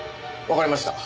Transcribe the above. わかりました。